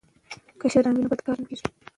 که شرم وي نو بد کار نه کیږي.